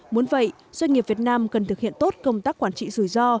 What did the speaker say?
muốn vậy doanh nghiệp việt nam cần thực hiện tốt công tác quản trị rủi ro